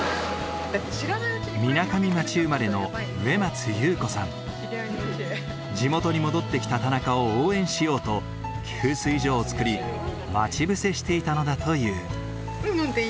みなかみ町生まれの地元に戻ってきた田中を応援しようと給水所を作り待ち伏せしていたのだという。